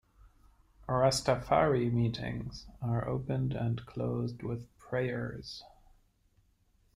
Rastafari meetings are opened and closed with prayers.